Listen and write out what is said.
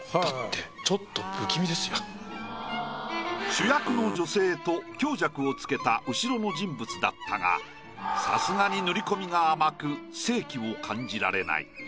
主役の女性と強弱をつけた後ろの人物だったがさすがに塗り込みが甘く生気を感じられない。